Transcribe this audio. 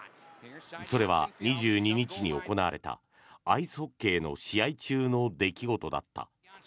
それは、２２日に行われたアイスホッケーの試合中の出来事だった。